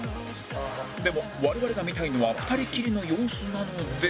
でも我々が見たいのは２人きりの様子なので